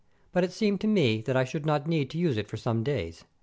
But it seemed to me that I should not need to use it for some days.